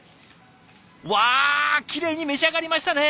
わあきれいに召し上がりましたね。